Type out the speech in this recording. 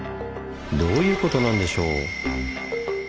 どういうことなんでしょう？